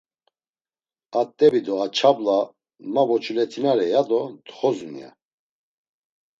A t̆ebi do a çabla “ma voçulet̆inare ya do ntxozun” ya.